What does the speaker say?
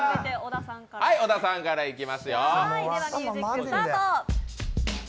ミュージックスタート。